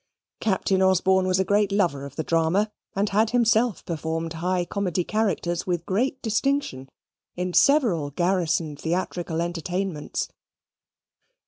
Captain Osborne was a great lover of the drama, and had himself performed high comedy characters with great distinction in several garrison theatrical entertainments.